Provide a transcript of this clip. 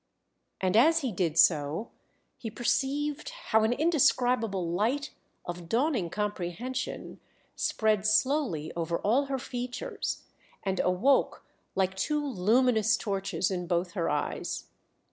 And as he did so he perceived how an indescribable light of dawning comprehension spread slowly over all her features, and awoke like two luminous torches in both her eyes.